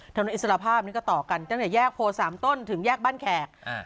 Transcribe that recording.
อิสระภาพนี้ก็ต่อกันตั้งแต่แยกโพสามต้นถึงแยกบ้านแขก